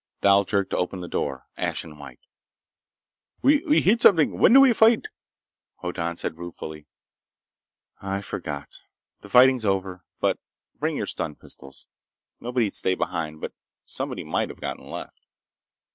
Thal jerked open the door, ashen white. "W we hit something! Wh when do we fight?" Hoddan said ruefully: "I forgot. The fighting's over. But bring your stun pistols. Nobody'd stay behind, but somebody might have gotten left."